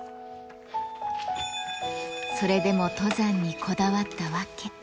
それでも登山にこだわった訳。